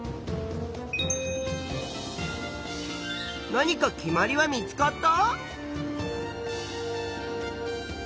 何か決まりは見つかった？